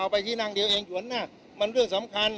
ไปที่นั่งเดียวเองหยวนหน้ามันเรื่องสำคัญ